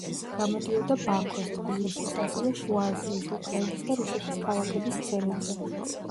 გამოდიოდა ბაქოს, თბილისის, ასევე შუა აზიის, უკრაინის და რუსეთის ქალაქების სცენაზე.